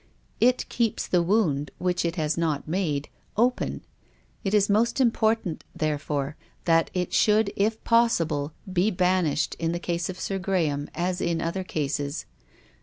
It keeps the wound, which it has not made, open. It is most important, there fore, that it should, if possible, be banished, in the case of Sir Graham as in other cases.